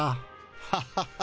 ハハハ。